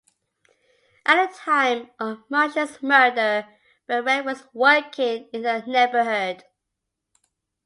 At the time of Marcia's murder, Barrett was working in her neighborhood.